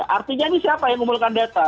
artinya ini siapa yang mengumpulkan data